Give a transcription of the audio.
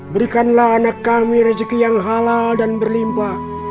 berikanlah anak kami rezeki yang halal dan berlimpah